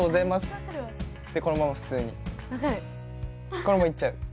このまま行っちゃう。